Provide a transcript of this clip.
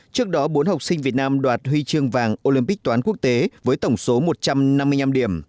trước đó bốn học sinh việt nam đoạt huy chương vàng olympic toán quốc tế với tổng số một trăm năm mươi năm điểm